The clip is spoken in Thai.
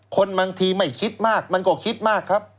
คนบางทีไม่คิดมากมันก็คิดมากครับ